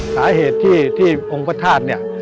สาเหตุที่องค์ภัทธาสน์